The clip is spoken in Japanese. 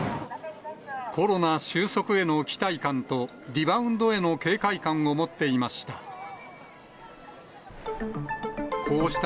コロナ収束への期待感と、リバウンドへの警戒感を持っていました。